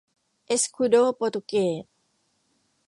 เอสคูโดโปรตุเกส